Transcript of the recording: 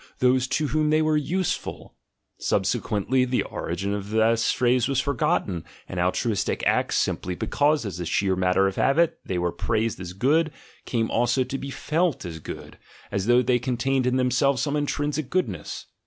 those to whom they were useful; subsequently the origin of this praise was forgotten, and altruistic acts, simply because, as a sheer matter of habit, they were praised as good, came also to be felt as good — as though they contained in themselves some intrinsic goodness."